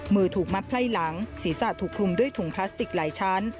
มือถูกมัดไพ่หลังศีรษะถูกคลุมด้วยถุงพลาสติกหลายชั้น